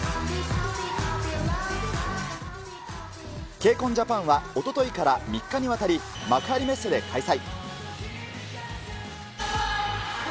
ＫＣＯＮＪＡＰＡＮはおとといから３日にわたり、幕張メッセで開催。